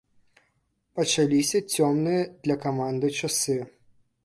Пачаліся цёмныя для каманды часы.